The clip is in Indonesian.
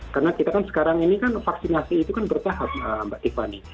karena kita kan sekarang ini kan vaksinasi itu kan bertahap mbak tiffany